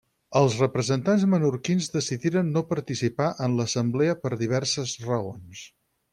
Els representats menorquins decidiren no participar en l'assemblea per diverses raons.